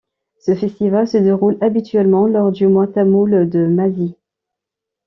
Ce festival se déroule habituellement lors du mois tamoul de Masi.